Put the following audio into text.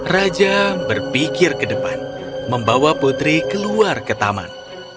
raja berpikir ke depan membawa putri keluar ke taman